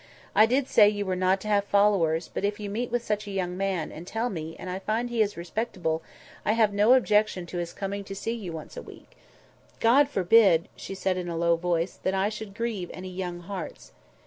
I did say you were not to have followers; but if you meet with such a young man, and tell me, and I find he is respectable, I have no objection to his coming to see you once a week. God forbid!" said she in a low voice, "that I should grieve any young hearts."